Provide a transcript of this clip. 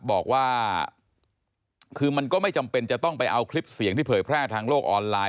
บอกว่าคือมันก็ไม่จำเป็นจะต้องไปเอาคลิปเสียงที่เผยแพร่ทางโลกออนไลน